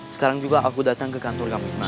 sekarang juga aku datang ke kantor kamu gimana